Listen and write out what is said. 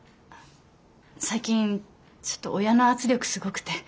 最近ちょっと親の圧力すごくて。